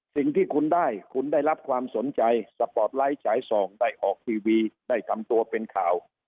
สิ่งที่คุณได้คุณได้รับความสนใจสปอร์ตไลท์ฉายส่องได้ออกทีวีได้ทำตัวเป็นข่าว